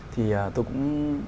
thì tôi cũng